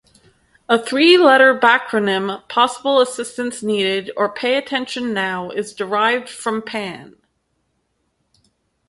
A three-letter backronym, "possible assistance needed" or "pay attention now" is derived from "pan".